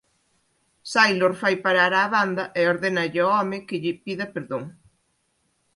Sailor fai parar á banda e ordénalle ao home que lle pida perdón.